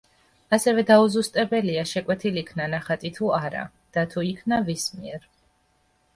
ასევე დაუზუსტებელია, შეკვეთილ იქნა ნახატი თუ არა, და თუ იქნა ვის მიერ.